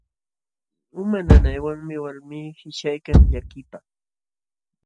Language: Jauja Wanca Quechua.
Uma nanaywanmi walmii qishyaykan llakiypaq.